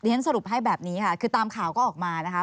ฉันสรุปให้แบบนี้ค่ะคือตามข่าวก็ออกมานะคะ